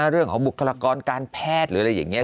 เรื่องของบุคลากรการแพทย์หรืออะไรอย่างนี้